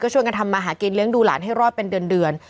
จะรอดเป็นเดือน